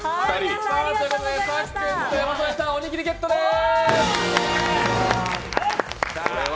佐久間さん、山添さん、おにぎりゲットです。